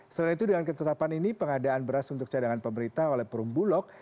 selain itu dengan ketetapan ini pengadaan beras untuk cadangan pemerintah oleh perumbulok